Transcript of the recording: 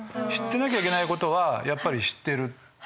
知ってなきゃいけない事はやっぱり知ってる。